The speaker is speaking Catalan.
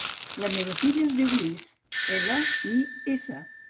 La meva filla es diu Lis: ela, i, essa.